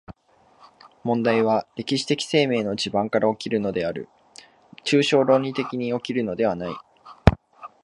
問題は歴史的生命の地盤から起こるのである、抽象論理的に起こるのではない。